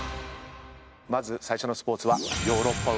まず最初のスポーツは。